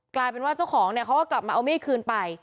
กลายเป็นว่าเจ้าของเนี่ยเขาก็กลับมาเอามีดคืนไป